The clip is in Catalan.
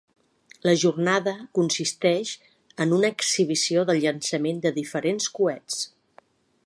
La jornada consisteix en una exhibició del llançament dels diferents coets.